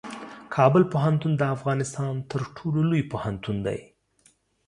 کابل پوهنتون د افغانستان تر ټولو لوی پوهنتون دی.